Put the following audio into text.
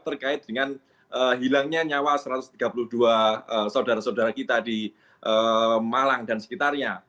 terkait dengan hilangnya nyawa satu ratus tiga puluh dua saudara saudara kita di malang dan sekitarnya